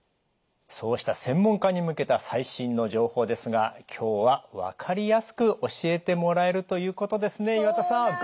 そうした専門家に向けた最新の情報ですが今日は分かりやすく教えてもらえるということですね岩田さん。